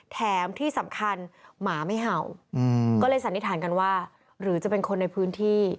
แถมที่สำคัญหมาไม่เห่าก็เลยสันนิษฐานกันว่าหรือจะเป็นคนในพื้นที่